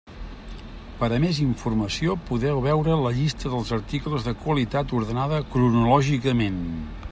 Per a més informació podeu veure la llista dels articles de qualitat ordenada cronològicament.